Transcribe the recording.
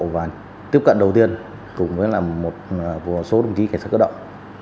và tiếp cận đầu tiên cùng với một số đồng chí cảnh sát cơ động